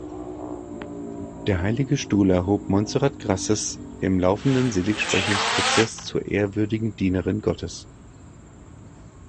Der Heilige Stuhl erhob Montserrat Grases im laufenden Seligsprechungsprozess zur ehrwürdigen Dienerin Gottes.